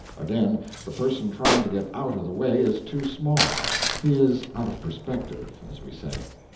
Again, the person trying to get out of the way is too small; he is out of perspective, as we say.